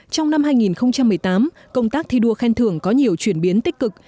trong năm hai nghìn một mươi tám công tác thi đua khen thưởng có nhiều chuyển biến tích cực